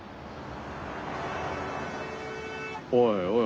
おいおい